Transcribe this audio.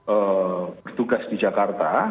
ee bertugas di jakarta